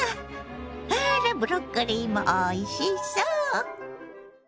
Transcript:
あらブロッコリーもおいしそう。